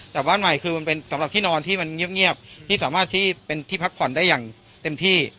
แต่บ้านใหม่คือมันเป็นสำหรับที่นอนที่มันเงียบที่สามารถที่เป็นที่พักผ่อนได้อย่างเต็มที่